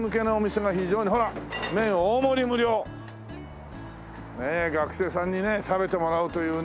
ほらっ「麺大盛無料」！ねえ学生さんにね食べてもらうというね。